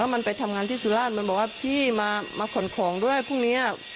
มันไปทำงานที่สุราชมันบอกว่าพี่มาขนของด้วยพรุ่งนี้